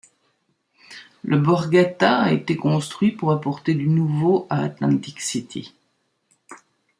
Le Borgata a été construit pour apporter du nouveau à Atlantic City.